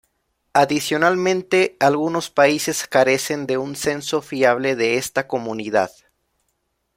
Adicionalmente, algunos países carecen de un censo fiable de esta comunidad.